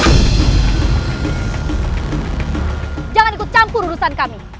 aku tidak akan ikut campur urusan kami